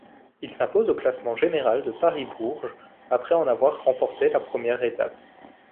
Il s'impose au classement général de Paris-Bourges, après en avoir remporté la première étape.